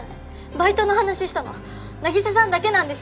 バイトの話したの凪沙さんだけなんです。